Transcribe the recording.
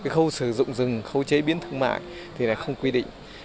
khâu sử dụng rừng khâu chế biến thương mạng thì là không quy định